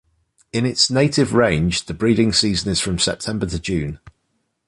In its native range the breeding season is from September to June.